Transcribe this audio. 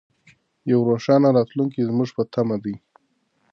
یو روښانه راتلونکی زموږ په تمه دی.